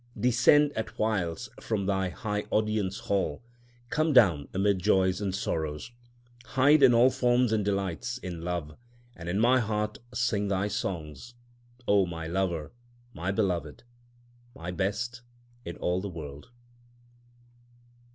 Descend at whiles from thy high audience hall, come down amid joys and sorrows. Hide in all forms and delights, in love, And in my heart sing thy songs,— O my Lover, my Beloved, my Best in all the world.